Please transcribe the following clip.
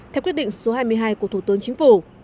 theo quyết định số hai mươi hai của thủ tướng chính phủ